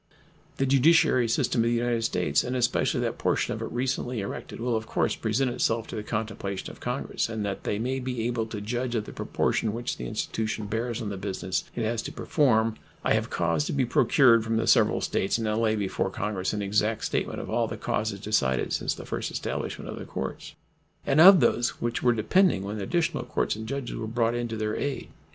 The judiciary system of the United States, and especially that portion of it recently erected, will of course present itself to the contemplation of Congress, and, that they may be able to judge of the proportion which the institution bears on the business it has to perform, I have caused to be procured from the several States and now lay before Congress an exact statement of all the causes decided since the first establishment of the courts, and of those which were depending when additional courts and judges were brought in to their aid.